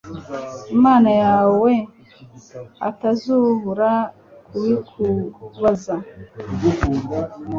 Imana yawe atazabura kubikubaza